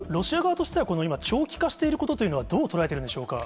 これ、ロシア側としては、この今、長期化していることというのは、どう捉えているんでしょうか。